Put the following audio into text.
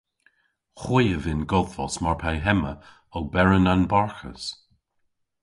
Hwi a vynn godhvos mar pe hemma oberen anbarghus.